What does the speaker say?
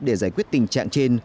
để giải quyết tình trạng trên